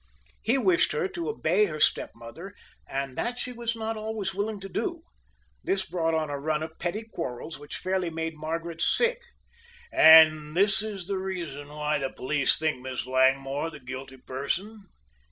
He wished her to obey her stepmother and that she was not always willing to do. This brought on a run of petty quarrels which fairly made Margaret sick." "And this is the reason why the police think Miss Langmore the guilty person?"